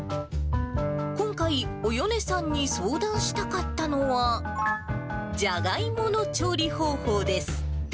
今回、およねさんに相談したかったのは、じゃがいもの調理方法です。